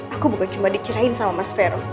aku bukan cuma dicerahin sama mas vero